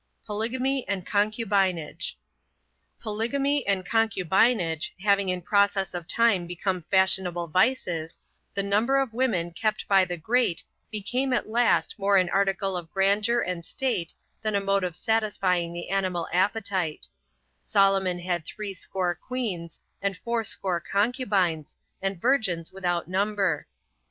POLYGAMY AND CONCUBINAGE. Polygamy and concubinage having in process of time become fashionable vices, the number of women kept by the great became at last more an article of grandeur and state, than a mode of satisfying the animal appetite: Solomon had threescore queens, and fourscore concubines, and virgins without number.